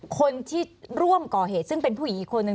คนที่ร่วมก่อเหตุซึ่งเป็นผู้หญิงอีกคนนึง